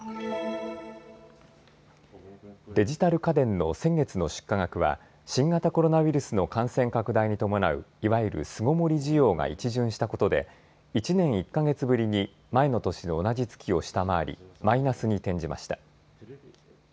デジタル家電の先月の出荷額は新型コロナウイルスの感染拡大に伴ういわゆる巣ごもり需要が一巡したことで１年１か月ぶりに前の年の同じ月を下回りマイナスに転じました。